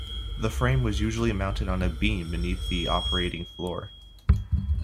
The frame was usually mounted on a beam beneath the operating floor.